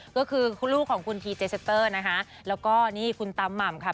ก็คือลูกของคุณนะคะแล้วก็นี่คุณตำม่ำค่ะ